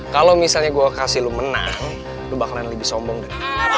kalau misalnya gue kasih lo menang lu bakalan lebih sombong deh